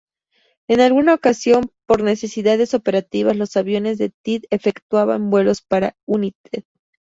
En alguna ocasión, por necesidades operativas, los aviones de Ted efectuaban vuelos para United.